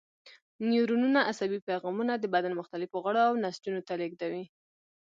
نیورونونه عصبي پیغامونه د بدن مختلفو غړو او نسجونو ته لېږدوي.